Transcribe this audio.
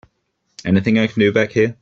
Anything I can do back here?